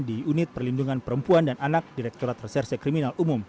di unit perlindungan perempuan dan anak direkturat reserse kriminal umum